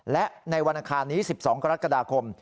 และในวันอังคารนี้๑๒กรกฎาคม